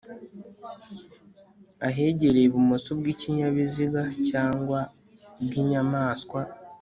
ahegereye ibumoso bw ikinyabiziga cyangwa bw inyamaswa